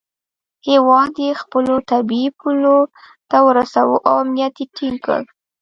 هیواد یې خپلو طبیعي پولو ته ورساوه او امنیت یې ټینګ کړ.